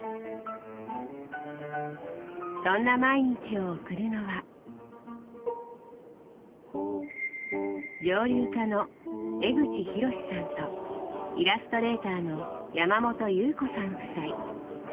そんな毎日を送るのは蒸留家の江口宏志さんとイラストレーターの山本祐布子さん夫妻。